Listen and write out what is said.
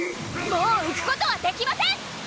もううくことはできません！